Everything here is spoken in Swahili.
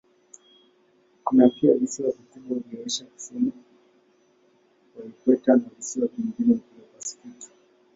Kuna pia visiwa vikubwa vya Asia kusini kwa ikweta na visiwa vingi vya Pasifiki.